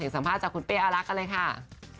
สัมภาษณ์จากคุณเป้อารักกันเลยค่ะ